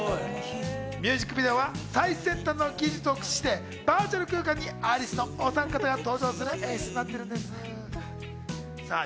ミュージックビデオは最先端の技術を駆使してバーチャル空間にアリスのお３方が登場する演出になっているんです。